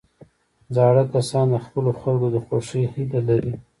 زاړه کسان د خپلو خلکو د خوښۍ هیله لري